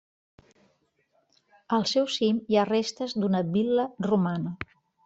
Al seu cim hi ha restes d'una vil·la romana.